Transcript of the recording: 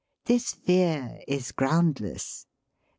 This fear is groundless.